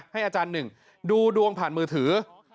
อาจารย์หนึ่งดูดวงผ่านมือถือ